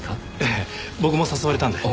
ええ僕も誘われたんで。